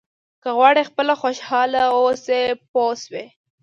که غواړئ خپله خوشاله واوسئ پوه شوې!.